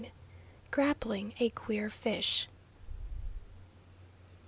GRAPPLING A QUEER FISH.